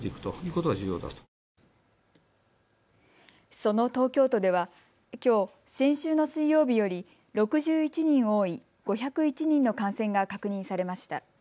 その東京都ではきょう、先週の水曜日より６１人多い５０１人の感染が確認されました。